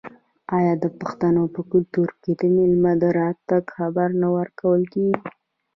آیا د پښتنو په کلتور کې د میلمه د راتګ خبر نه ورکول کیږي؟